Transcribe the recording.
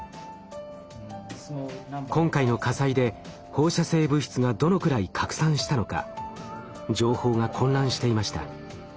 今回の火災で放射性物質がどのくらい拡散したのか情報が混乱していました。